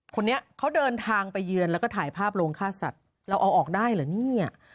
คนนี้เขาเดินทางไปเยือนแล้วก็ถ่ายภาพโรงฆ่าสัตว์เราเอาออกได้เหรอเนี่ย